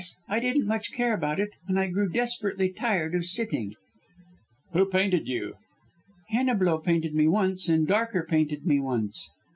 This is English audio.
I didn't much care about it, and I grew desperately tired of sitting." "Who painted you?" "Heniblow painted me once, and Darker painted me once."